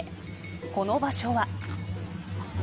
この場所は。